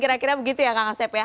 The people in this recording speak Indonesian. kira kira begitu ya kak ngasep ya